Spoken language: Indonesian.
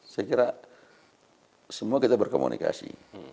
saya kira semua kita berkomunikasi